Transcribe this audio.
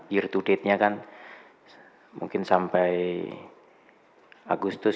year to date nya kan mungkin sampai agustus